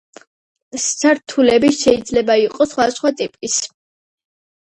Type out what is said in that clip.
სართულები შეიძლება იყოს სხვადასხვა ტიპის.